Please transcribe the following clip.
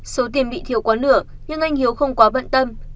số tiền bị thiếu quá nửa nhưng anh hiếu không quá bận tâm